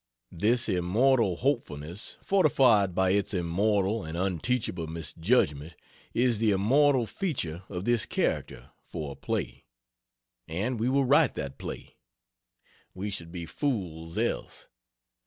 This immortal hopefulness, fortified by its immortal and unteachable misjudgment, is the immortal feature of this character, for a play; and we will write that play. We should be fools else.